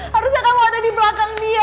harusnya kamu ada di belakang dia